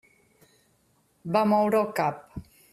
Va moure el cap.